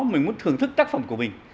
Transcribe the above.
mình muốn thưởng thức tác phẩm của mình